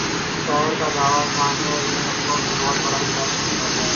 شعر کا دعویٰ تھا وہ آنے والے وقتوں میں بہت بڑا شاعر بننے والا ہے۔